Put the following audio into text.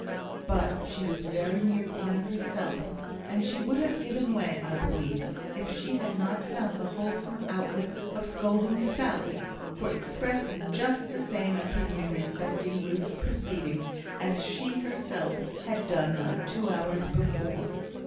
But she was very near crying herself; and she would have given way, I believe, if she had not found the wholesome outlet of scolding Sally, for expressing just the same opinion respecting Ruth's proceedings as she herself had done not two hours before.